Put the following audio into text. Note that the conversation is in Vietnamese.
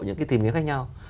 những tìm kiến khác nhau